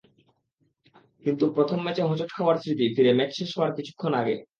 কিন্তু প্রথম ম্যাচে হোঁচট খাওয়ার স্মৃতি ফিরে ম্যাচ শেষ হওয়ার কিছুক্ষণ আগে।